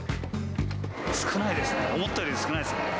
少ないですね、思ったより少ないですね。